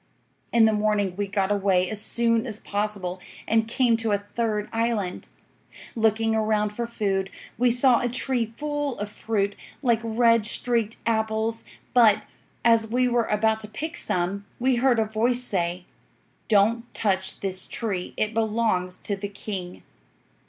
"'In the morning we got away as soon as possible, and came to a third island. Looking around for food, we saw a tree full of fruit like red streaked apples; but, as we were about to pick some, we heard a voice say, "Don't touch this tree; it belongs to the king."